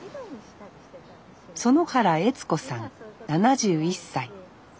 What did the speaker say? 園原悦子さん７１歳。